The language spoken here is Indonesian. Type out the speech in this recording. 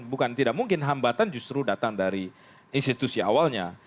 bukan tidak mungkin hambatan justru datang dari institusi awalnya